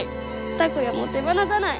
拓哉も手放さない。